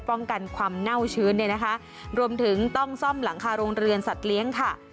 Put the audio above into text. ป้องกันความเน่าชื้นเนี่ยนะคะรวมถึงต้องซ่อมหลังคาโรงเรือนสัตว์เลี้ยงค่ะ